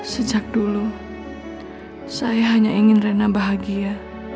sejak dulu saya hanya ingin rena bahagia